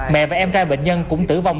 mẹ và em trai bệnh nhân cũng tử vong